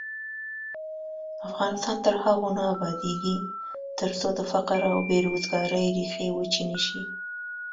افغانستان تر هغو نه ابادیږي، ترڅو د فقر او بې روزګارۍ ریښې وچې نشي.